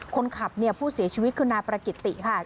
คนขับเนี่ยผู้เสียชีวิตคือนายประกิติค่ะ